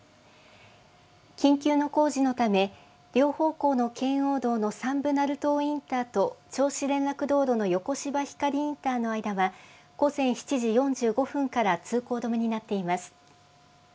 緊急の工事のため、両方向の圏央道の山武鳴門インターと銚子連絡道路の横芝光インターの間は、午前７時４５分から通行止めになっています。